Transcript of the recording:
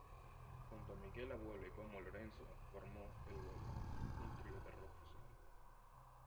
Junto a Miguel Abuelo y Pomo Lorenzo formó El Huevo, un trío de rock-fusión.